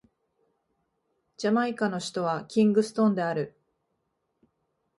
ジャマイカの首都はキングストンである